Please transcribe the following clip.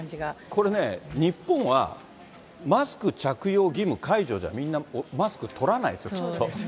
これね、日本は、マスク着用義務解除じゃ、みんなマスクとらないですよ、きっと。